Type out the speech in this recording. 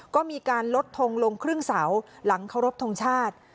ก็มีการลดทงลงครึ่งเสาหลังเคารพทงชาติ